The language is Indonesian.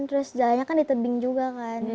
terus jalannya kan di tebing juga kan